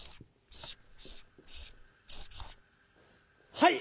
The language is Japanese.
はい！